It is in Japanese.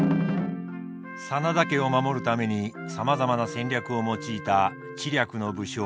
真田家を守るためにさまざまな戦略を用いた知略の武将昌幸。